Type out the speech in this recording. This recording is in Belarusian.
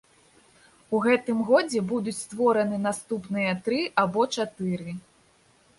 У гэтым годзе будуць створаны наступныя тры або чатыры.